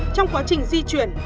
trong quá trình di chuyển